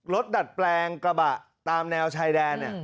ดัดแปลงกระบะตามแนวชายแดน